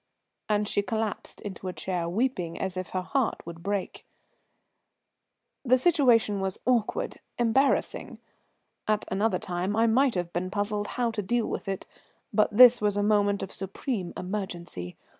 And she collapsed into a chair, weeping as if her heart would break. The situation was awkward, embarrassing. At another time I might have been puzzled how to deal with it, but this was a moment of supreme emergency.